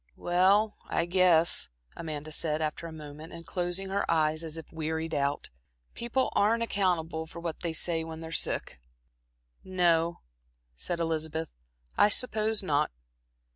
"Well, I guess," Amanda said, after a moment and closing her eyes as if wearied out, "people aren't accountable for what they say when they're sick." "No," said Elizabeth, "I suppose not."